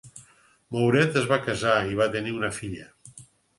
Mouret es va casar i va tenir una filla.